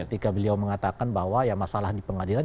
ketika beliau mengatakan bahwa ya masalah di pengadilan